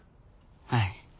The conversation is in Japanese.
はい。